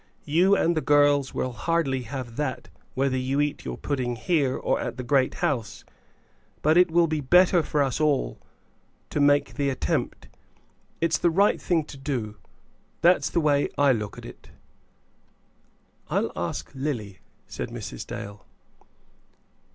You and the girls will hardly have that whether you eat your pudding here or at the Great House. But it will be better for us all to make the attempt. It's the right thing to do. That's the way I look at it." "I'll ask Lily," said Mrs. Dale.